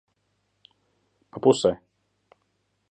Pa pusei.